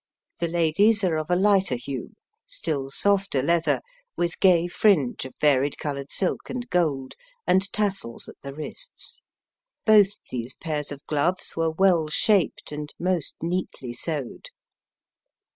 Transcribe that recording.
The lady's are of a lighter hue, still softer leather, with gay fringe of varied colored silk and gold, and tassels at the wrists. Both these pairs of gloves were well shaped and most neatly sewed.